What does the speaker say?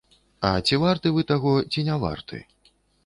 А ці варты вы таго ці не варты?